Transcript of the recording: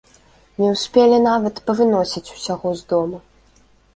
Не ўспелі нават павыносіць усяго з дома.